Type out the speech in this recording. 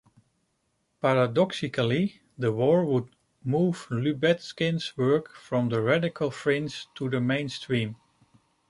Paradoxically the war would move Lubetkin's work from the radical fringe to the mainstream.